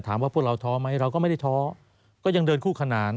พวกเราท้อไหมเราก็ไม่ได้ท้อก็ยังเดินคู่ขนาน